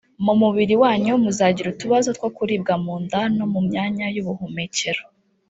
Mu mubiri wanyu muzagira utubazo two kuribwa mu nda no mu myanya y’ubuhumekero